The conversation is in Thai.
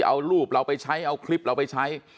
เอารูปเราไปใช้เอาคลิปเราไปใช้